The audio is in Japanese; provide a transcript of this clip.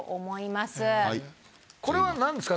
これはなんですか？